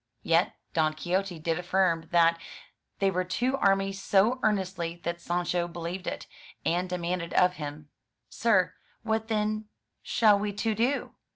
Yet Don Quixote did affirm that they were two armies so earnestly that Sancho believed it, and demanded of him, "Sir, what then shall we two do?'